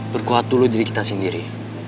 berkuat dulu diri kita sendiri